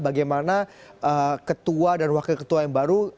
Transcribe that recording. bagaimana ketua dan wakil ketua yang baru